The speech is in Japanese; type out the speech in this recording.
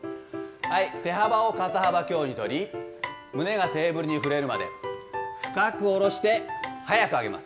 手幅を肩幅強に取り、胸がテーブルに触れるまで、深く下ろして、速く上げます。